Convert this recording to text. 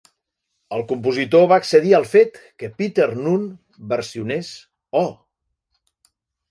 El compositor va accedir al fet que Peter Noone versionés Oh!